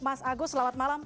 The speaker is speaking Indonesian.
mas agus selamat malam